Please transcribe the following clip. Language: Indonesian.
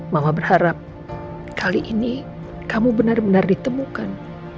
mama berharap kali ini kamu benar benar ditemukan